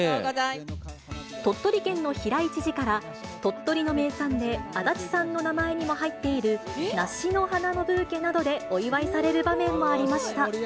鳥取県の平井知事から、鳥取の名産で足立さんの名前にも入っている、梨の花のブーケなどでお祝いされる場面もありました。